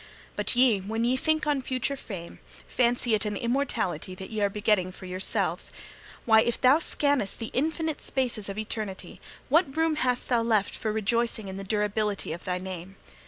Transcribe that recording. But ye, when ye think on future fame, fancy it an immortality that ye are begetting for yourselves. Why, if thou scannest the infinite spaces of eternity, what room hast thou left for rejoicing in the durability of thy name?